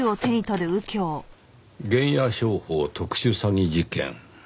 「原野商法特殊詐欺事件」